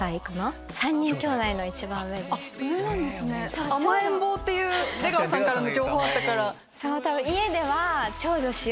上なんですね「甘えん坊」っていう出川さんからの情報あったから。